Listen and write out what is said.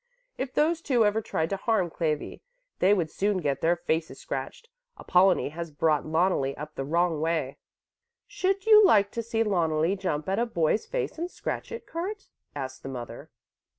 "If those two ever tried to harm Clevi, they would soon get their faces scratched; Apollonie has brought Loneli up the wrong way." "Should you like to see Loneli jump at a boy's face and scratch it, Kurt?" asked the mother.